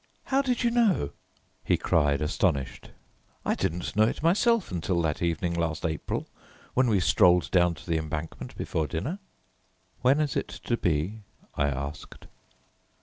"How did you know?" he cried, astonished. "I didn't know it myself until that evening last April, when we strolled down to the embankment before dinner." "When is it to be?" I asked.